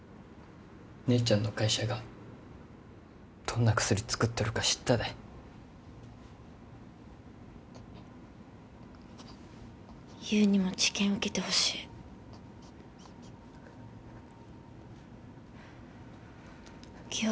姉ちゃんの会社がどんな薬作っとるか知ったで優にも治験受けてほしい記憶